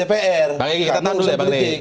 pak egy kita tahan dulu ya pak egy